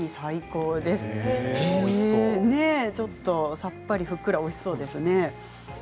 さっぱり、ふっくらおいしそうですね。